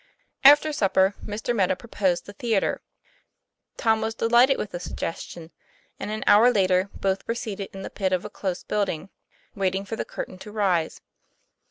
After supper, Mr. Meadow proposed the theatre. Tom was delighted with the suggestion, and an hour later both were seated in the pit of a close building, waiting for the curtain to rise.